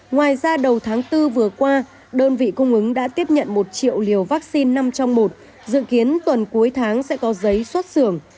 ngoài ra đầu tháng bốn vừa qua đơn vị cung ứng đã tiếp nhận một triệu liều vaccine năm trong một dự kiến tuần cuối tháng sẽ có giấy xuất xưởng